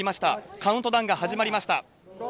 カウントダウンが始まりました。